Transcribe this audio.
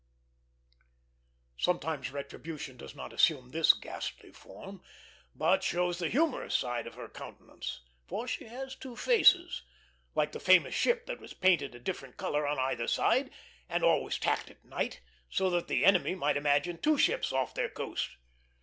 Sometimes retribution does not assume this ghastly form, but shows the humorous side of her countenance; for she has two faces, like the famous ship that was painted a different color on either side and always tacked at night, that the enemy might imagine two ships off their coast.